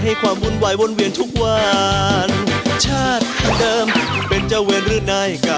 ไปแล้วไปให้ใกล้อยากไล่อยากไล่ไปแล้วไปให้ใกล้